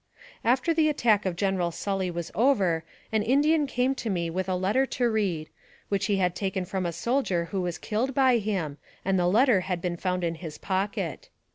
After the attack of General Sully was over an In dian came to me with a letter to read, which he had taken from a soldier who was killed by him, and the AMONG THE SIOUX INDIANS. 105 letter had been found in his pocket.